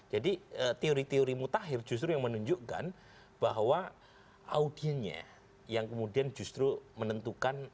jadi teori teori mutakhir justru yang menunjukkan bahwa audiensnya yang kemudian justru menentukan mana media itu